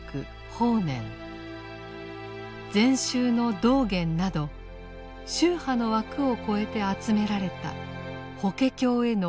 法然禅宗の道元など宗派の枠を超えて集められた法華経への賛辞です。